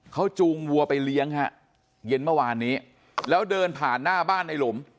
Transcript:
เขาจูงวัวไปเลี้ยงฮะเย็นเมื่อวานนี้แล้วเดินผ่านหน้าบ้านในหลุม